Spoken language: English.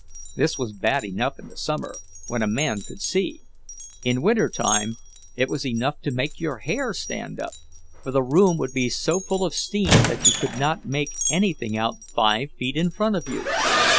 This was bad enough in the summer, when a man could see; in wintertime it was enough to make your hair stand up, for the room would be so full of steam that you could not make anything out five feet in front of you.